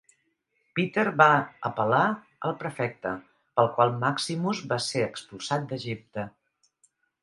Peter va apel·lar al prefecte, pel qual Maximus va ser expulsat d'Egipte.